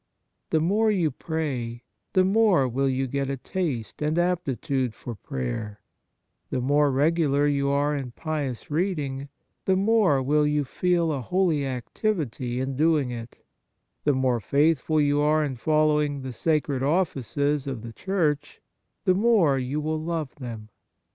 The more you pray, the more will you get a taste and aptitude for prayer; the more regular you are in pious reading, the more will you feel a holy activity in doing it ; the more faithful you are in following the sacred offices of the Church, the more you will love them.